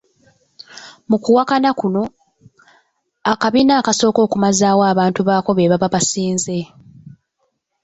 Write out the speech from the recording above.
Mu kuwakana kuno, akabiina akasooka okumazaawo abantu baako be baba basinze.